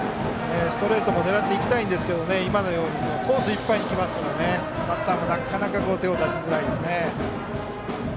ストレートも狙っていきたいんですけど今のようにコースいっぱいに来ますからバッターもなかなか手を出しづらいですね。